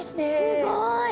すごい。